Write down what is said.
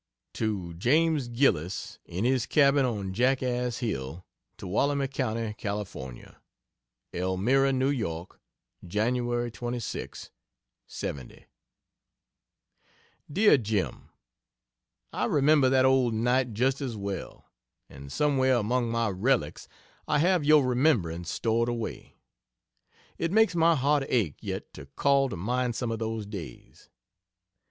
To James Gillis, in his cabin on Jackass Hill, Tuolumne Co., California: ELMIRA, N.Y. Jan. 26, '70. DEAR JIM, I remember that old night just as well! And somewhere among my relics I have your remembrance stored away. It makes my heart ache yet to call to mind some of those days.